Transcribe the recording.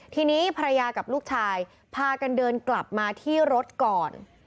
ทีนี้ภรรยากับลูกชายพากันเดินกลับมาที่รถก่อน